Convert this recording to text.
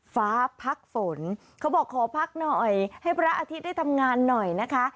ฟ้าพักฝนเขาบอกขอพักหน่อยให้พระอาทิตย์ได้ทำงานหน่อยนะคะ